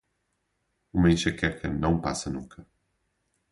Essa enxaqueca não passa nunca.